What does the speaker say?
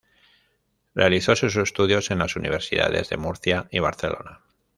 Realizó sus estudios en las universidades de Murcia y Barcelona.